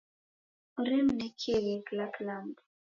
Oremnekieghe kila kilambo